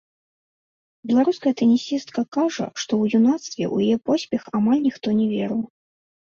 Беларуская тэнісістка кажа, што ў юнацтве ў яе поспех амаль ніхто не верыў.